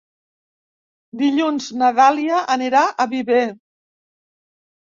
Dilluns na Dàlia anirà a Viver.